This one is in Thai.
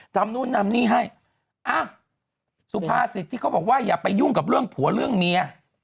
นู่นนำนี่ให้อ้าวสุภาษิตที่เขาบอกว่าอย่าไปยุ่งกับเรื่องผัวเรื่องเมีย